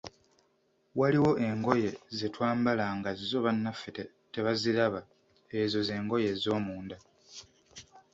Waliwo engoye ze twambala nga zo bannaffe tebaziraba, ezo z'engoye ez'omunda.